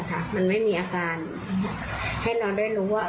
ก็เลยอัดคลิปบอกลูกค้าที่มาที่ร้านในช่วง๘๑๔เมษายน